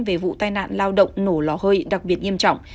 về vụ tai nạn lao động nổ lò hơi đặc biệt nghiêm trọng